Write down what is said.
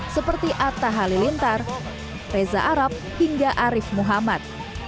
seperti atta halilintar reza arab hingga arief muhammad